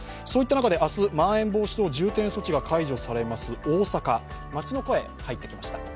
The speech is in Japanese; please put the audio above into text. そういった中で明日、まん延防止等重点措置が解除されます大阪、街の声、入ってきました。